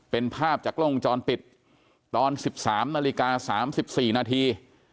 เป็นภาพจากกล้องวงจรปิดตอน๑๓นาฬิกา๓๔นาที